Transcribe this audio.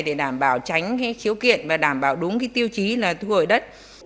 để đảm bảo tránh khiếu kiện và đảm bảo đúng tiêu chí là thu hồi đất